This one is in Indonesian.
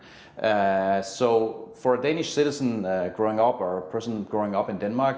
jadi untuk warga danes yang membesar atau orang yang membesar di denmark